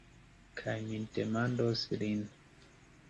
Kaj mi ne demandos lin.